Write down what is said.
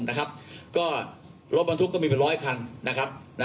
รถบรรทุกก็มีเป็นร้อยคัน